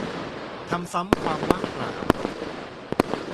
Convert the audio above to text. ทำซ้ำความว่างเปล่า